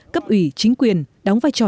cấp ủy chính quyền đóng vai trò